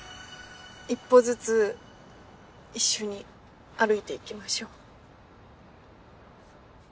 一歩ずつ一緒に歩いていきましょう。